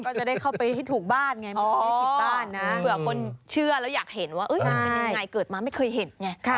ก็จะได้เข้าไปที่ถูกบ้านไงเพื่อคนเชื่อแล้วอยากเห็นว่าเกิดมาไม่เคยเห็น